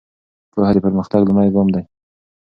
پوهه د پرمختګ لومړی ګام ده.